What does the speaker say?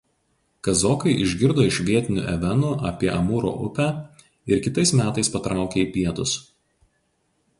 Kazokai išgirdo iš vietinių evenų apie Amūro upę ir kitais metais patraukė į pietus.